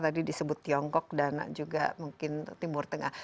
tadi disebut tiongkok dan juga mungkin timur tengah